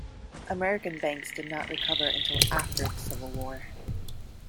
American banks did not recover until after the civil war.